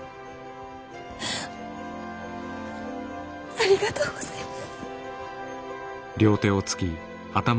ありがとうございます。